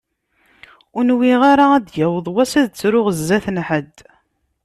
Ur nwiɣ ara ad d-yaweḍ wass ad ttruɣ sdat n ḥedd.